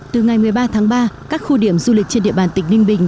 từ ngày một mươi ba tháng ba các khu điểm du lịch trên địa bàn tỉnh ninh bình